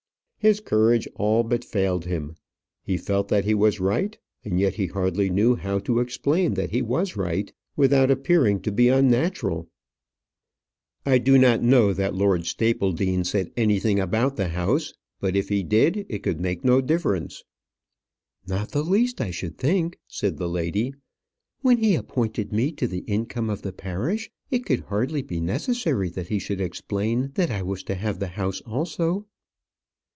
His courage all but failed him. He felt that he was right, and yet he hardly knew how to explain that he was right without appearing to be unnatural. "I do not know that Lord Stapledean said anything about the house; but if he did, it could make no difference." "Not the least, I should think," said the lady. "When he appointed me to the income of the parish, it could hardly be necessary that he should explain that I was to have the house also."